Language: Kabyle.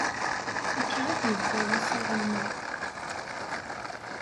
Akka i d-yebda wassaɣ-nneɣ.